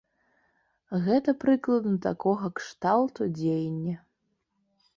Гэта прыкладна такога кшталту дзеянне.